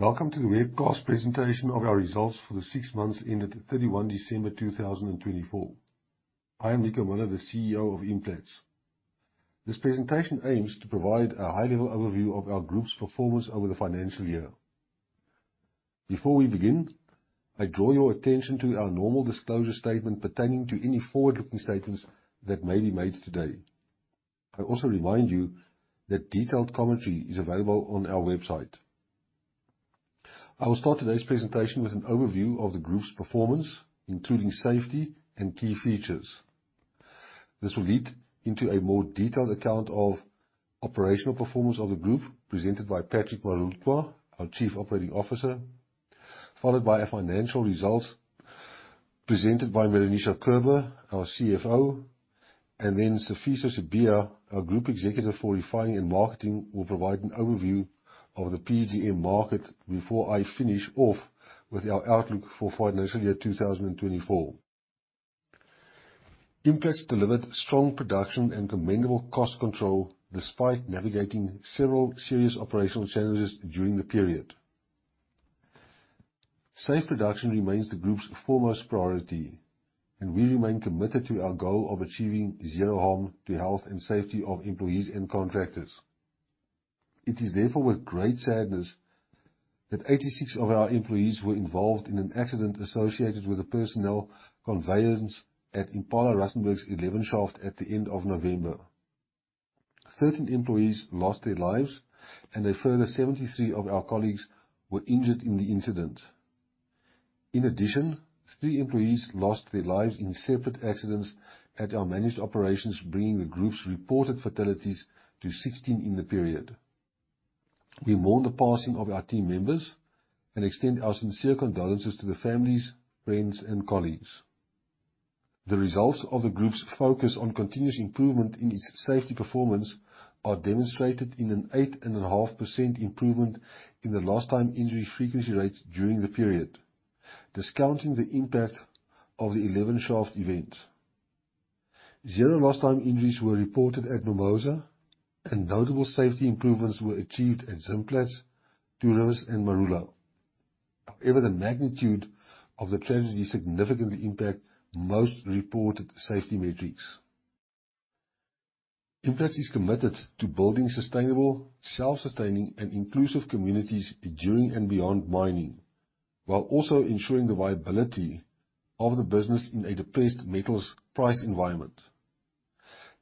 Welcome to the webcast presentation of our results for the six months ended 31 December 2024. I am Nico Muller, the CEO of Implats. This presentation aims to provide a high-level overview of our group's performance over the financial year. Before we begin, I draw your attention to our normal disclosure statement pertaining to any forward-looking statements that may be made today. I also remind you that detailed commentary is available on our website. I will start today's presentation with an overview of the group's performance, including safety and key features. This will lead into a more detailed account of operational performance of the group presented by Patrick Morutlwa, our Chief Operating Officer, followed by financial results presented by Meroonisha Kerber, our CFO. Sifiso Sibiya, our Group Executive for Refining and Marketing, will provide an overview of the PGM market before I finish off with our outlook for financial year 2024. Implats delivered strong production and commendable cost control despite navigating several serious operational challenges during the period. Safe production remains the group's foremost priority, and we remain committed to our goal of achieving zero harm to health and safety of employees and contractors. It is therefore with great sadness that 86 of our employees were involved in an accident associated with a personnel conveyance at Impala Rustenburg's 11 shaft at the end of November. 13 employees lost their lives, and a further 73 of our colleagues were injured in the incident. In addition, 3 employees lost their lives in separate accidents at our managed operations, bringing the group's reported fatalities to 16 in the period. We mourn the passing of our team members and extend our sincere condolences to the families, friends, and colleagues. The results of the group's focus on continuous improvement in its safety performance are demonstrated in an 8.5% improvement in the lost-time injury frequency rates during the period, discounting the impact of the 11 shaft event. 0 lost-time injuries were reported at Mimosa, and notable safety improvements were achieved at Zimplats, Two Rivers, and Marula. However, the magnitude of the tragedy significantly impact most reported safety metrics. Implats is committed to building sustainable, self-sustaining, and inclusive communities during and beyond mining, while also ensuring the viability of the business in a depressed metals price environment.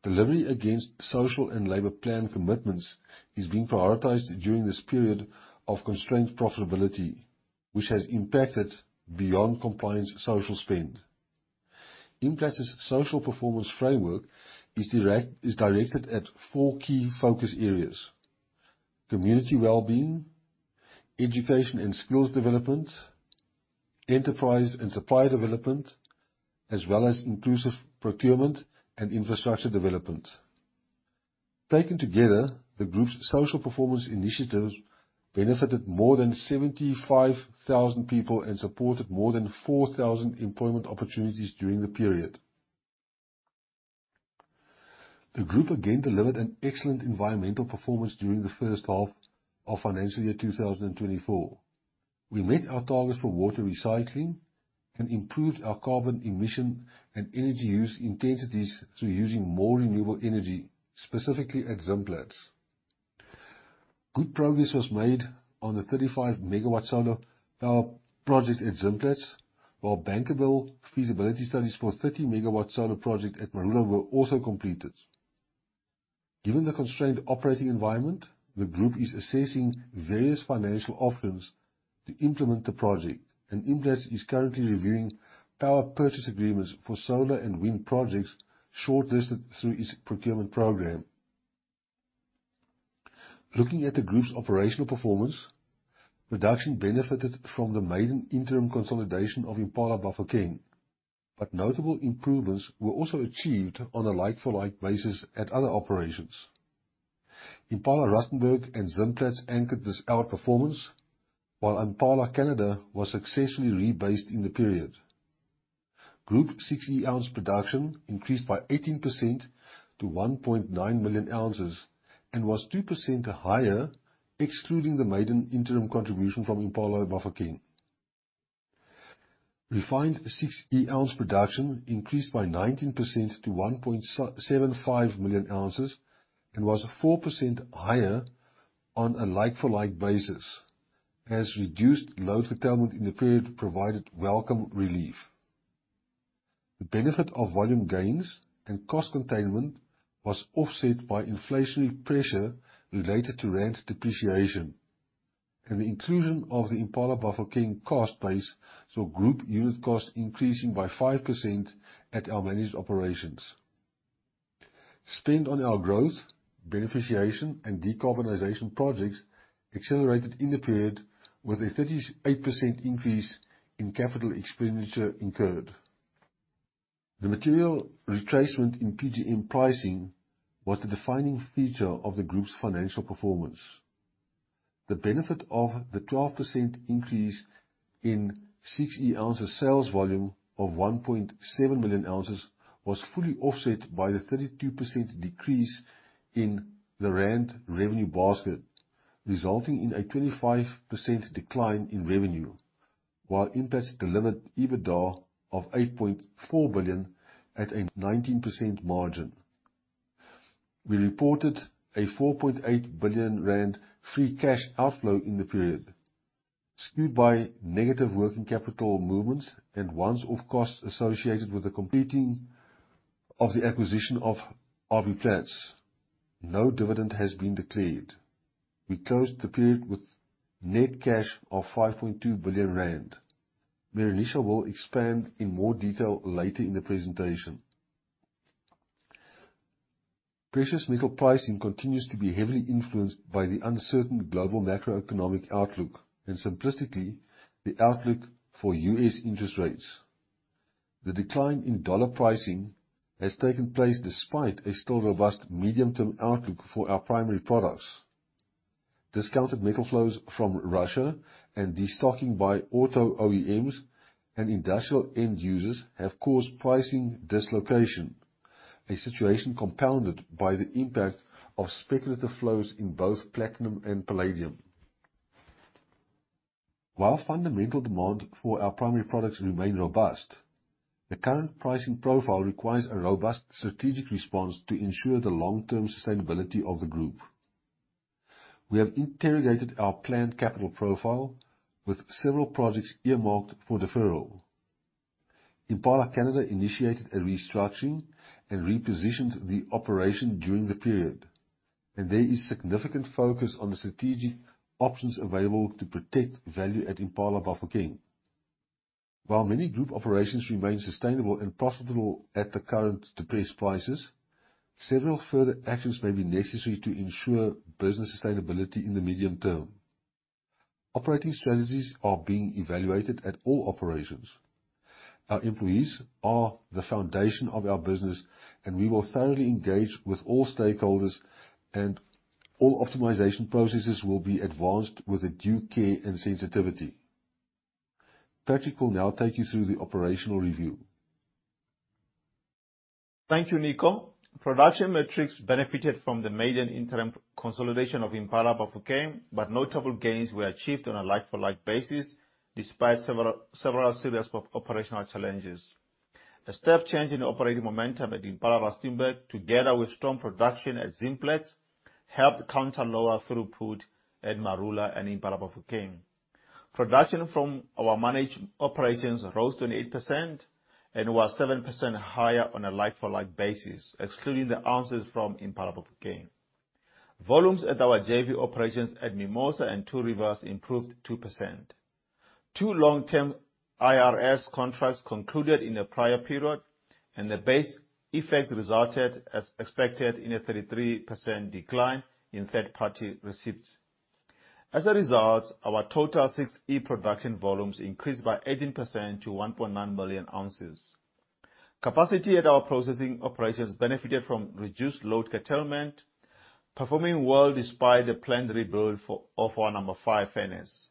Delivery against Social and Labour Plan commitments is being prioritized during this period of constrained profitability, which has impacted beyond compliance social spend. Implats' social performance framework is directed at 4 key focus areas: community wellbeing, education and skills development, enterprise and supply development, as well as inclusive procurement and infrastructure development. Taken together, the group's social performance initiatives benefited more than 75,000 people and supported more than 4,000 employment opportunities during the period. The group again delivered an excellent environmental performance during the first half of financial year 2024. We met our targets for water recycling and improved our carbon emission and energy use intensities through using more renewable energy, specifically at Zimplats. Good progress was made on the 35 MW solar power project at Zimplats, while bankable feasibility studies for 30 MW solar project at Marula were also completed. Given the constrained operating environment, the group is assessing various financial options to implement the project, Implats is currently reviewing power purchase agreements for solar and wind projects short-listed through its procurement program. Looking at the group's operational performance, production benefited from the maiden interim consolidation of Impala Bafokeng, notable improvements were also achieved on a like-for-like basis at other operations. Impala Rustenburg and Zimplats anchored this outperformance, while Impala Canada was successfully rebased in the period. Group 6E ounce production increased by 18% to 1.9 million ounces and was 2% higher, excluding the maiden interim contribution from Impala Bafokeng. Refined 6E ounce production increased by 19% to 1.75 million ounces and was 4% higher on a like-for-like basis, as reduced load curtailment in the period provided welcome relief. The benefit of volume gains and cost containment was offset by inflationary pressure related to ZAR depreciation and the inclusion of the Impala Bafokeng cost base, group unit cost increasing by 5% at our managed operations. Spend on our growth, beneficiation, and decarbonization projects accelerated in the period with a 38% increase in CapEx incurred. The material retracement in PGM pricing was the defining feature of the group's financial performance. The benefit of the 12% increase in 6E ounces sales volume of 1.7 million ounces was fully offset by the 32% decrease in the ZAR revenue basket, resulting in a 25% decline in revenue, while impacting diluted EBITDA of 8.4 billion at a 19% margin. We reported a 4.8 billion rand free cash outflow in the period, skewed by negative working capital movements and once-off costs associated with the completing of the acquisition of RB Plats. No dividend has been declared. We closed the period with net cash of 5.2 billion rand. Meroonisha will expand in more detail later in the presentation. Precious metal pricing continues to be heavily influenced by the uncertain global macroeconomic outlook, simplistically, the outlook for U.S. interest rates. The decline in USD pricing has taken place despite a still robust medium-term outlook for our primary products. Discounted metal flows from Russia and de-stocking by auto OEMs and industrial end users have caused pricing dislocation, a situation compounded by the impact of speculative flows in both platinum and palladium. While fundamental demand for our primary products remain robust, the current pricing profile requires a robust strategic response to ensure the long-term sustainability of the group. We have interrogated our planned capital profile with several projects earmarked for deferral. Impala Canada initiated a restructuring and repositioned the operation during the period, there is significant focus on the strategic options available to protect value at Impala Bafokeng. While many group operations remain sustainable and profitable at the current depressed prices, several further actions may be necessary to ensure business sustainability in the medium term. Operating strategies are being evaluated at all operations. Our employees are the foundation of our business, we will thoroughly engage with all stakeholders, all optimization processes will be advanced with due care and sensitivity. Patrick will now take you through the operational review. Thank you, Nico. Production metrics benefited from the maiden interim consolidation of Impala Bafokeng, but notable gains were achieved on a like-for-like basis despite several serious operational challenges. A step change in operating momentum at Impala Rustenburg, together with strong production at Zimplats, helped counter lower throughput at Marula and Impala Bafokeng. Production from our managed operations rose 28% and was 7% higher on a like-for-like basis, excluding the ounces from Impala Bafokeng. Volumes at our JV operations at Mimosa and Two Rivers improved 2%. Two long-term IRS contracts concluded in the prior period, and the base effect resulted as expected in a 33% decline in third-party receipts. As a result, our total 6E production volumes increased by 18% to 1.9 million ounces. Capacity at our processing operations benefited from reduced load curtailment, performing well despite a planned rebuild of our Number 5 furnace.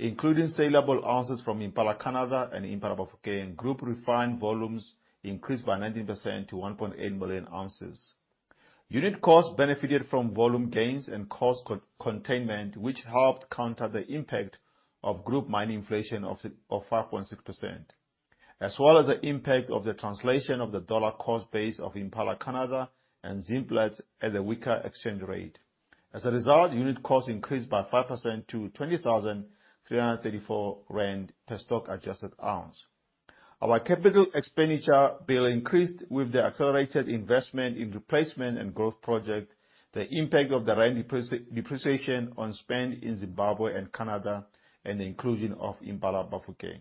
Including saleable ounces from Impala Canada and Impala Bafokeng, group refined volumes increased by 19% to 1.8 million ounces. Unit costs benefited from volume gains and cost containment, which helped counter the impact of group mine inflation of 5.6%, as well as the impact of the translation of the dollar cost base of Impala Canada and Zimplats at a weaker exchange rate. As a result, unit costs increased by 5% to 20,334 rand per stock adjusted ounce. Our CapEx bill increased with the accelerated investment in replacement and growth project, the impact of the rand depreciation on spend in Zimbabwe and Canada, and the inclusion of Impala Bafokeng.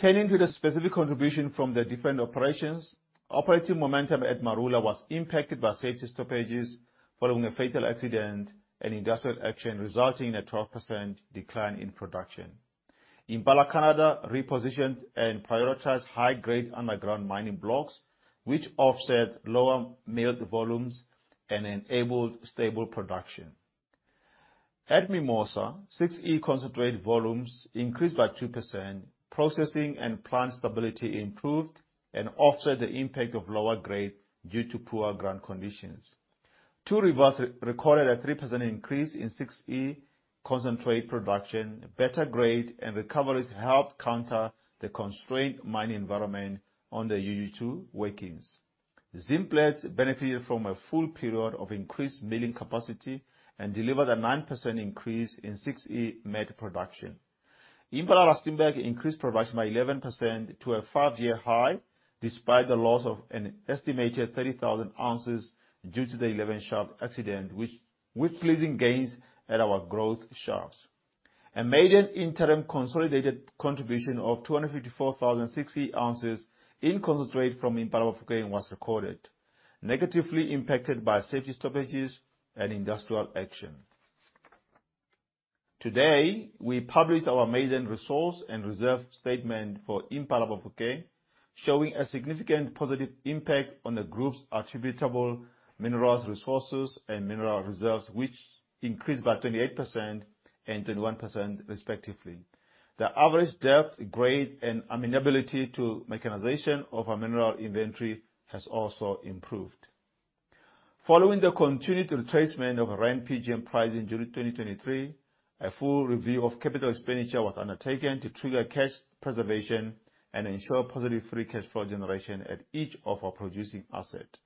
Turning to the specific contribution from the different operations. Operating momentum at Marula was impacted by safety stoppages following a fatal accident and industrial action, resulting in a 12% decline in production. Impala Canada repositioned and prioritized high-grade underground mining blocks, which offset lower milled volumes and enabled stable production. At Mimosa, 6E concentrate volumes increased by 2%. Processing and plant stability improved and offset the impact of lower grade due to poor ground conditions. Two Rivers recorded a 3% increase in 6E concentrate production. Better grade and recoveries helped counter the constraint mining environment on the UG2 workings. Zimplats benefited from a full period of increased milling capacity and delivered a 9% increase in 6E matte production. Impala Rustenburg increased production by 11% to a five-year high, despite the loss of an estimated 30,000 ounces due to the 11 shaft accident, with pleasing gains at our growth shafts. A maiden interim consolidated contribution of 254,060 ounces in concentrate from Impala Bafokeng was recorded, negatively impacted by safety stoppages and industrial action. Today, we publish our maiden resource and reserve statement for Impala Bafokeng, showing a significant positive impact on the group's attributable minerals resources and mineral reserves, which increased by 28% and 21% respectively. The average depth, grade, and amenability to mechanization of our mineral inventory has also improved. Following the continued retracement of ZAR PGM price in July 2023, a full review of CapEx was undertaken to trigger cash preservation and ensure positive free cash flow generation at each of our producing assets.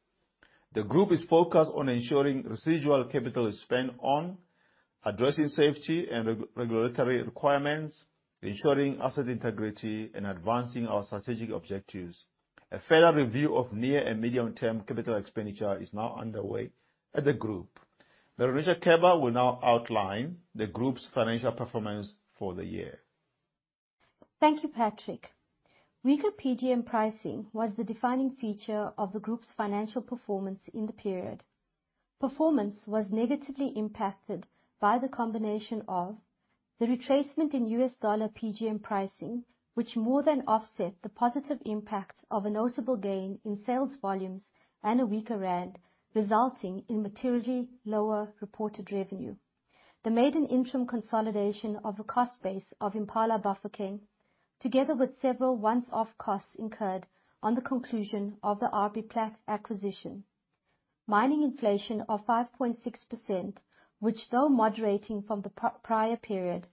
The group is focused on ensuring residual capital is spent on addressing safety and regulatory requirements, ensuring asset integrity, and advancing our strategic objectives. A further review of near and medium-term CapEx is now underway at the group. Meroonisha Kerber will now outline the group's financial performance for the year. Thank you, Patrick. Weaker PGM pricing was the defining feature of the group's financial performance in the period. Performance was negatively impacted by the combination of the retracement in US dollar PGM pricing, which more than offset the positive impact of a notable gain in sales volumes and a weaker ZAR, resulting in materially lower reported revenue. They made an interim consolidation of the cost base of Impala Bafokeng, together with several once-off costs incurred on the conclusion of the RB Plats acquisition. Mining inflation of 5.6%, which, though moderating from the prior period,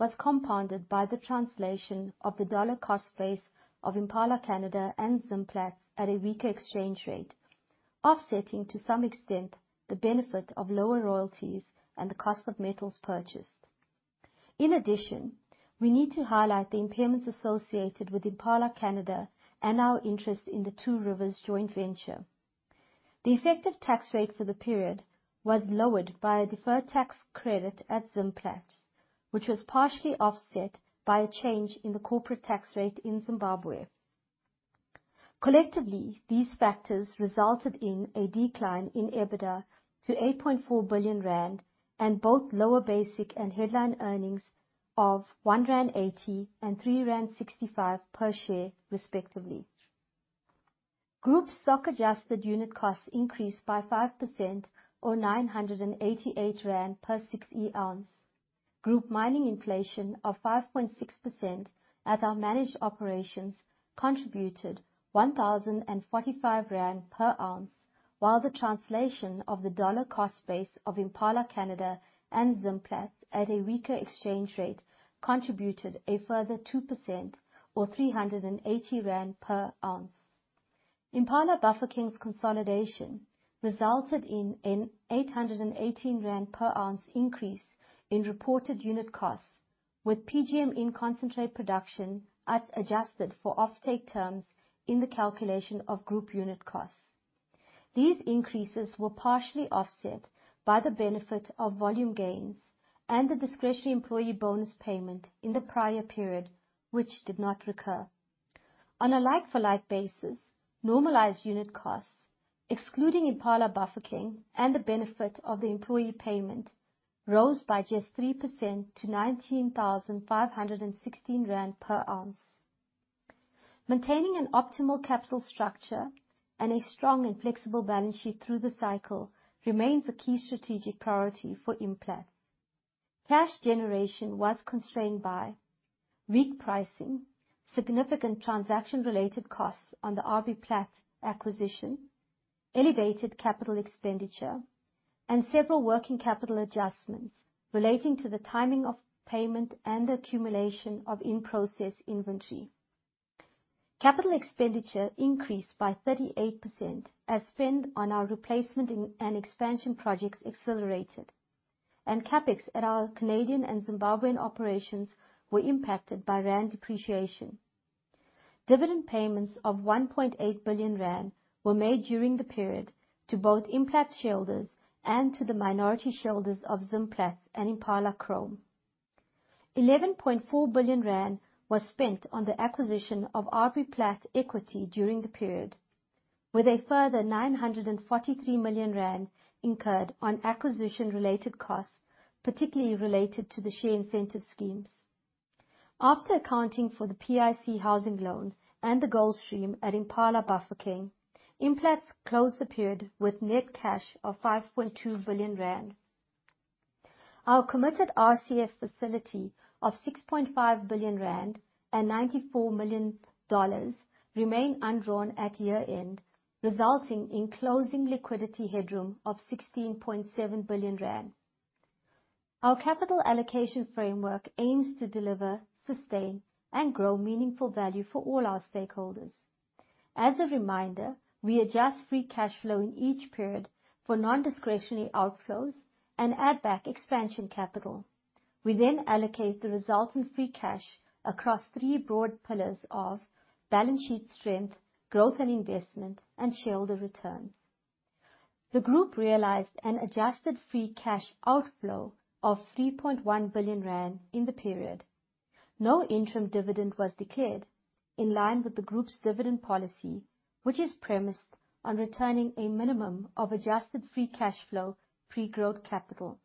was compounded by the translation of the dollar cost base of Impala Canada and Zimplats at a weaker exchange rate, offsetting to some extent the benefit of lower royalties and the cost of metals purchased. In addition, we need to highlight the impairments associated with Impala Canada and our interest in the Two Rivers joint venture. The effective tax rate for the period was lowered by a deferred tax credit at Zimplats, which was partially offset by a change in the corporate tax rate in Zimbabwe. Collectively, these factors resulted in a decline in EBITDA to 8.4 billion rand and both lower basic and headline earnings of 1.80 rand and 3.65 rand per share, respectively. Group stock adjusted unit costs increased by 5% or 988 rand per 6E ounce. Group mining inflation of 5.6% at our managed operations contributed 1,045 rand per ounce, while the translation of the dollar cost base of Impala Canada and Zimplats at a weaker exchange rate contributed a further 2% or 380 rand per ounce. Impala Bafokeng's consolidation resulted in an 818 rand per ounce increase in reported unit costs, with PGM in concentrate production as adjusted for offtake terms in the calculation of group unit costs. These increases were partially offset by the benefit of volume gains and the discretionary employee bonus payment in the prior period, which did not recur. On a like-for-like basis, normalized unit costs, excluding Impala Bafokeng and the benefit of the employee payment, rose by just 3% to 19,516 rand per ounce. Maintaining an optimal capital structure and a strong and flexible balance sheet through the cycle remains a key strategic priority for Implats. Cash generation was constrained by weak pricing, significant transaction-related costs on the RB Plats acquisition, elevated capital expenditure, and several working capital adjustments relating to the timing of payment and the accumulation of in-process inventory. Capital expenditure increased by 38% as spend on our replacement and expansion projects accelerated, and CapEx at our Canadian and Zimbabwean operations were impacted by ZAR depreciation. Dividend payments of 1.8 billion rand were made during the period to both Implats shareholders and to the minority shareholders of Zimplats and Impala Chrome. 11.4 billion rand was spent on the acquisition of RB Plat equity during the period, with a further 943 million rand incurred on acquisition related costs, particularly related to the share incentive schemes. After accounting for the PIC housing loan and the gold stream at Impala Bafokeng, Implats closed the period with net cash of 5.2 billion rand. Our committed RCF facility of 6.5 billion rand and $94 million remain undrawn at year-end, resulting in closing liquidity headroom of 16.7 billion rand. Our capital allocation framework aims to deliver, sustain, and grow meaningful value for all our stakeholders. As a reminder, we adjust free cash flow in each period for non-discretionary outflows and add back expansion capital. We then allocate the resulting free cash across three broad pillars of balance sheet strength, growth and investment, and shareholder returns. The group realized an adjusted free cash outflow of 3.1 billion rand in the period. No interim dividend was declared in line with the group's dividend policy, which is premised on returning a minimum of adjusted free cash flow pre-growth capital.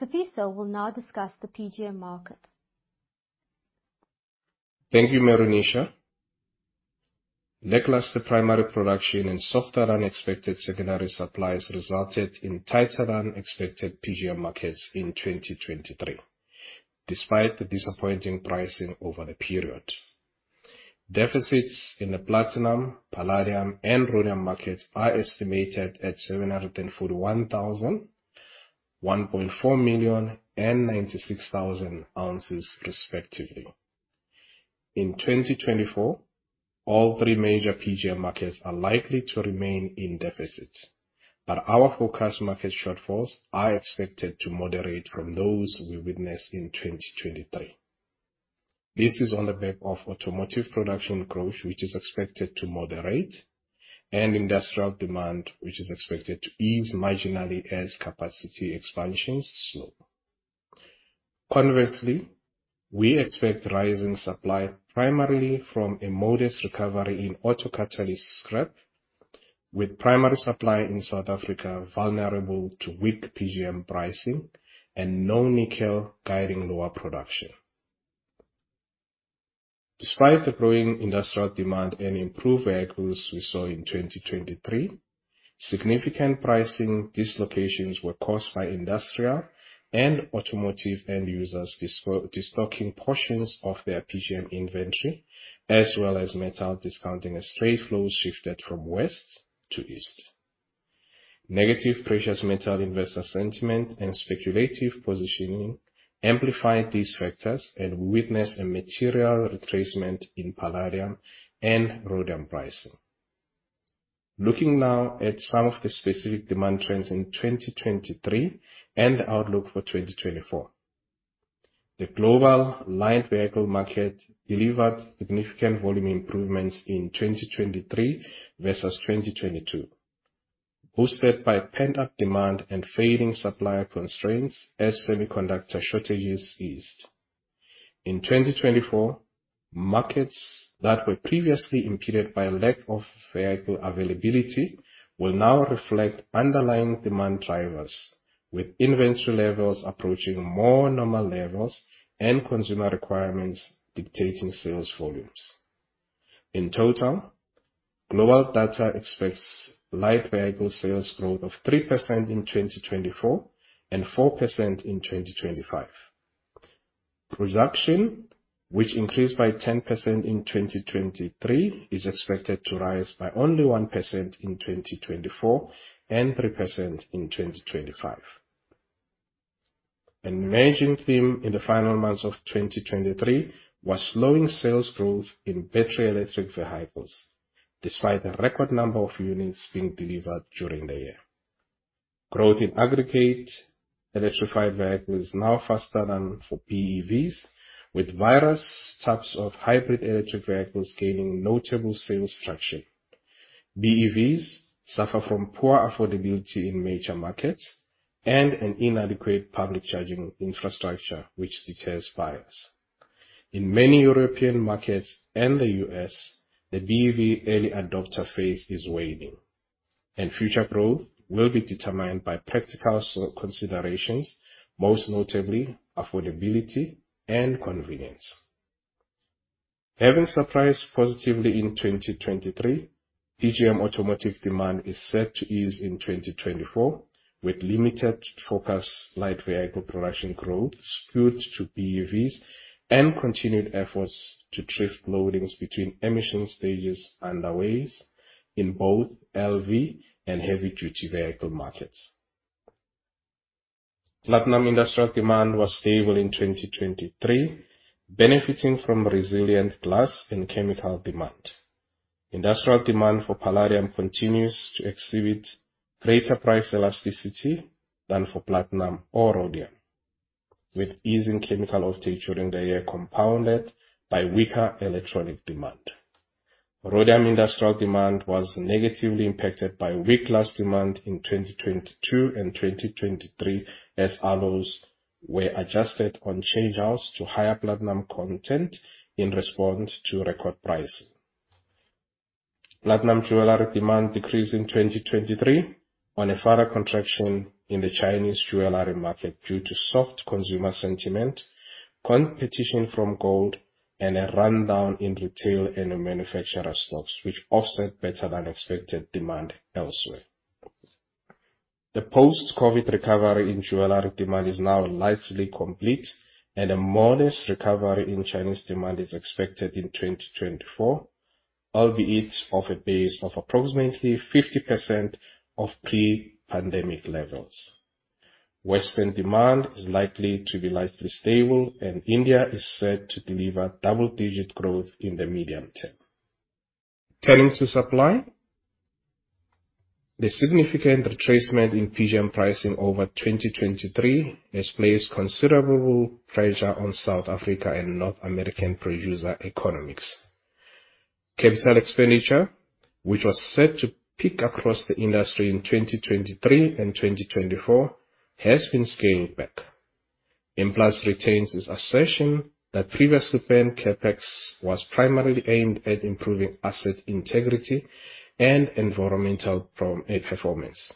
Sifiso will now discuss the PGM market. Thank you, Meroonisha. Lackluster primary production and softer-than-expected secondary supplies resulted in tighter-than-expected PGM markets in 2023, despite the disappointing pricing over the period. Deficits in the platinum, palladium, and rhodium markets are estimated at 741,000, 1.4 million, and 96,000 ounces respectively. In 2024, all three major PGM markets are likely to remain in deficit, but our forecast market shortfalls are expected to moderate from those we witnessed in 2023. This is on the back of automotive production growth, which is expected to moderate, and industrial demand, which is expected to ease marginally as capacity expansions slow. Conversely, we expect rising supply primarily from a modest recovery in auto catalyst scrap, with primary supply in South Africa vulnerable to weak PGM pricing and low nickel guiding lower production. Despite the growing industrial demand and improved vehicles we saw in 2023, significant pricing dislocations were caused by industrial and automotive end users destocking portions of their PGM inventory, as well as metal discounting as trade flows shifted from West to East. Negative precious metal investor sentiment and speculative positioning amplified these factors. We witnessed a material retracement in palladium and rhodium pricing. Looking now at some of the specific demand trends in 2023 and outlook for 2024. The global light vehicle market delivered significant volume improvements in 2023 versus 2022, boosted by pent-up demand and fading supplier constraints as semiconductor shortages eased. In 2024, markets that were previously impeded by a lack of vehicle availability will now reflect underlying demand drivers, with inventory levels approaching more normal levels and consumer requirements dictating sales volumes. In total, GlobalData expects light vehicle sales growth of 3% in 2024 and 4% in 2025. Production, which increased by 10% in 2023, is expected to rise by only 1% in 2024 and 3% in 2025. An emerging theme in the final months of 2023 was slowing sales growth in battery electric vehicles, despite the record number of units being delivered during the year. Growth in aggregate electrified vehicles is now faster than for BEVs, with various types of hybrid electric vehicles gaining notable sales traction. BEVs suffer from poor affordability in major markets and an inadequate public charging infrastructure, which deters buyers. In many European markets and the U.S., the BEV early adopter phase is waning. Future growth will be determined by practical considerations, most notably affordability and convenience. Having surprised positively in 2023, PGM automotive demand is set to ease in 2024, with limited forecast light vehicle production growth skewed to BEVs and continued efforts to thrift loadings between emission stages underway in both LV and heavy-duty vehicle markets. Platinum industrial demand was stable in 2023, benefiting from resilient glass and chemical demand. Industrial demand for palladium continues to exhibit greater price elasticity than for platinum or rhodium, with easing chemical offtake during the year compounded by weaker electronic demand. Rhodium industrial demand was negatively impacted by weak glass demand in 2022 and 2023, as autos were adjusted on changeouts to higher platinum content in response to record pricing. Platinum jewelry demand decreased in 2023 on a further contraction in the Chinese jewelry market due to soft consumer sentiment, competition from gold, and a rundown in retail and manufacturer stocks, which offset better-than-expected demand elsewhere. The post-COVID recovery in jewelry demand is now likely complete, and a modest recovery in Chinese demand is expected in 2024, albeit off a base of approximately 50% of pre-pandemic levels. Western demand is likely to be lightly stable, and India is set to deliver double-digit growth in the medium term. Turning to supply, the significant retracement in PGM pricing over 2023 has placed considerable pressure on South Africa and North American producer economics. Capital expenditure, which was set to peak across the industry in 2023 and 2024, has been scaled back. Implats retains its assertion that previously planned CapEx was primarily aimed at improving asset integrity and environmental performance,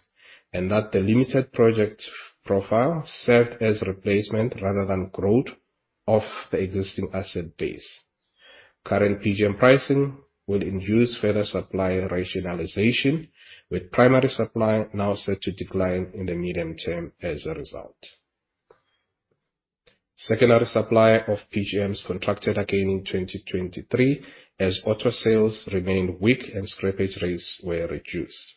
and that the limited project profile served as replacement rather than growth of the existing asset base. Current PGM pricing will induce further supply rationalization, with primary supply now set to decline in the medium term as a result. Secondary supply of PGMs contracted again in 2023 as auto sales remained weak and scrappage rates were reduced.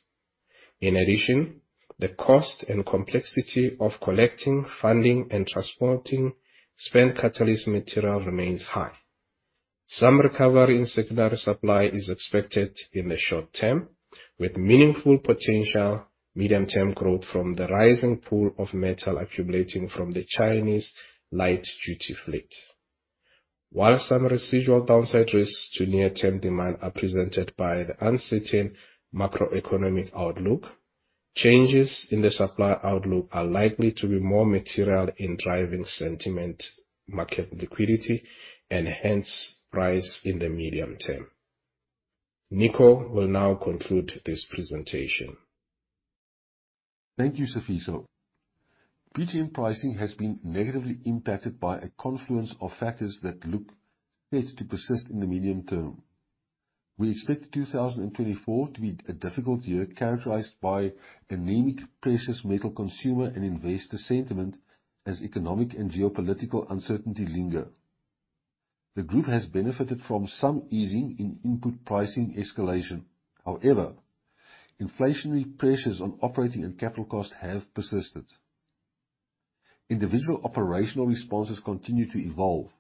In addition, the cost and complexity of collecting, funding, and transporting spent catalyst material remains high. Some recovery in secondary supply is expected in the short term, with meaningful potential medium-term growth from the rising pool of metal accumulating from the Chinese light-duty fleet. While some residual downside risks to near-term demand are presented by the uncertain macroeconomic outlook, changes in the supply outlook are likely to be more material in driving sentiment, market liquidity, and hence price in the medium term. Nico will now conclude this presentation. Thank you, Sifiso. PGM pricing has been negatively impacted by a confluence of factors that look set to persist in the medium term. We expect 2024 to be a difficult year, characterized by anemic precious metal consumer and investor sentiment as economic and geopolitical uncertainty linger. The group has benefited from some easing in input pricing escalation. However, inflationary pressures on operating and capital costs have persisted. Individual operational responses continue to evolve,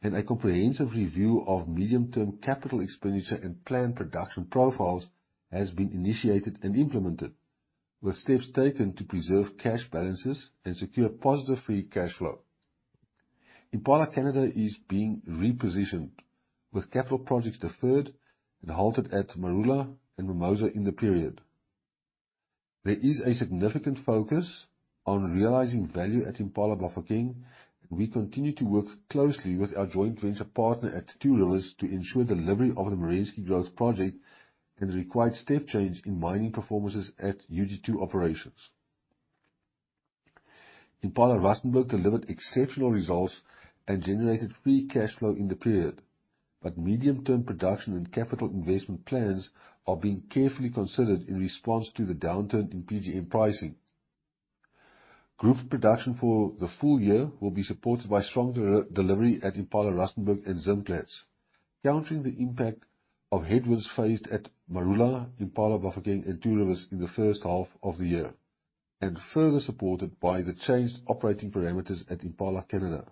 and a comprehensive review of medium-term capital expenditure and planned production profiles has been initiated and implemented, with steps taken to preserve cash balances and secure positive free cash flow. Impala Canada is being repositioned, with capital projects deferred and halted at Marula and Mimosa in the period. There is a significant focus on realizing value at Impala Bafokeng, and we continue to work closely with our joint venture partner at Two Rivers to ensure delivery of the Merensky Growth Project and the required step change in mining performances at UG2 operations. Impala Rustenburg delivered exceptional results and generated free cash flow in the period, but medium-term production and capital investment plans are being carefully considered in response to the downturn in PGM pricing. Group production for the full year will be supported by strong delivery at Impala Rustenburg and Zimplats, countering the impact of headwinds faced at Marula, Impala Bafokeng, and Two Rivers in the first half of the year, and further supported by the changed operating parameters at Impala Canada.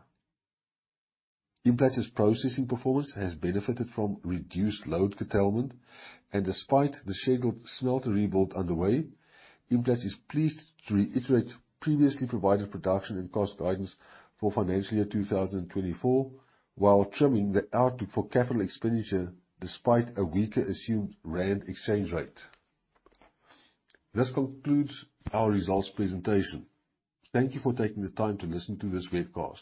Implats' processing performance has benefited from reduced load curtailment, and despite the scheduled smelter rebuild underway, Implats is pleased to reiterate previously provided production and cost guidance for financial year 2024 while trimming the outlook for capital expenditure despite a weaker assumed rand exchange rate. This concludes our results presentation. Thank you for taking the time to listen to this webcast.